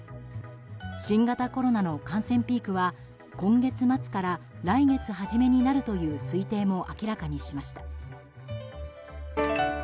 新型コロナの感染ピークは今月末から来月初めになるという推定も明らかにしました。